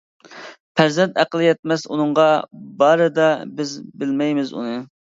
پەرزەنت ئەقلى يەتمەس ئۇنىڭغا، بارىدا بىز بىلمەيمىز ئۇنى.